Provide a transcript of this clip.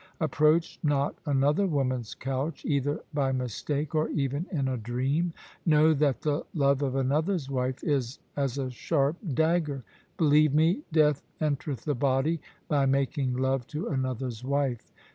Approach not another woman's couch either by mistake or even in a dream. Know that the love of another's wife is as a sharp dagger. Believe me, death entereth the body by making love to another's wife.